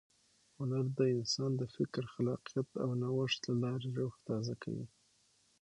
هنر د انسان د فکر، خلاقیت او نوښت له لارې روح تازه کوي.